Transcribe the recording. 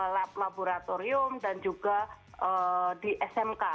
jadi laboratorium dan juga di smk